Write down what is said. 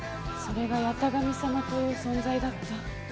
それが八咫神様という存在だった。